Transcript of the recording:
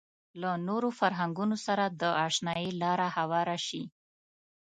له نورو فرهنګونو سره د اشنايي لاره هواره شي.